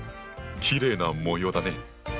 きれいな模様だね。